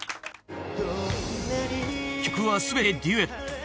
曲はすべてデュエット。